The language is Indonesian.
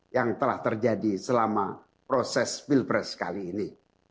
yang telah terjadi selama proses pilpres kali ini